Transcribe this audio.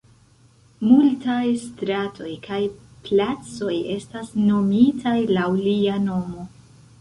Multaj stratoj kaj placoj estas nomitaj laŭ lia nomo.